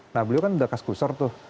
nah beliau kan udah kaskuser tuh